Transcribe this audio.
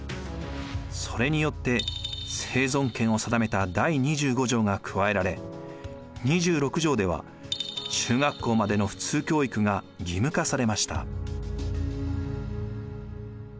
それによって生存権を定めた第２５条が加えられ２６条では中学校までの普通教育が義務化されました。